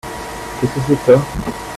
Qu'est que c'est que ça ?